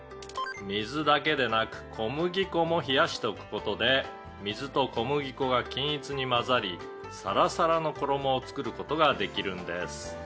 「水だけでなく小麦粉も冷やしておく事で水と小麦粉が均一に混ざりサラサラの衣を作る事ができるんです」